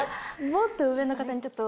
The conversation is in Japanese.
もっと上の方にちょっと。